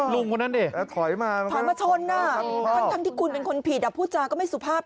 ลุงคนนั้นสิถอยมาชนนะทั้งที่คุณเป็นคนผิดผู้จาก็ไม่สุภาพ